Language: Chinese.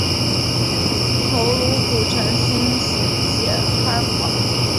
头颅骨呈心型且宽广。